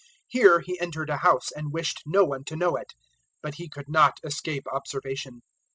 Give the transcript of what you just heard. Here He entered a house and wished no one to know it, but He could not escape observation.